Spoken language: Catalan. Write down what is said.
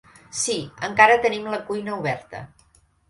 Sí, encara tenim la cuina oberta.